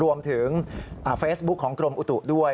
รวมถึงเฟซบุ๊คของกรมอุตุด้วย